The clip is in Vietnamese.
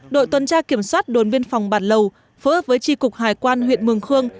đội tuần tra kiểm soát đồn biên phòng bản lầu phối hợp với tri cục hải quan huyện mường khương